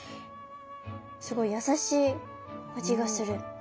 すごい優しい味がする。